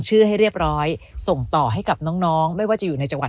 ให้เรียบร้อยส่งต่อให้กับน้องน้องไม่ว่าจะอยู่ในจังหวัด